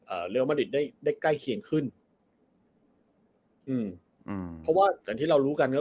เรียลมาริดได้ได้ใกล้เคียงขึ้นอืมอืมเพราะว่าอย่างที่เรารู้กันก็